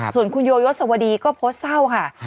ส่วนคุณโยยศวดีก็โพสต์เศร้าค่ะ